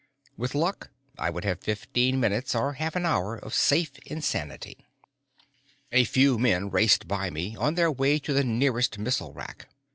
With luck, I would have fifteen minutes or half an hour of safe insanity. A few men raced by me, on their way to the nearest missile rack.